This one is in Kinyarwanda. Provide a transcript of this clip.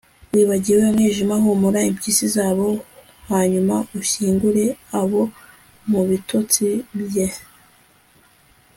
wibagiwe umwijima, humura impyisi zabo hanyuma ushyingure ababo mu bitotsi bye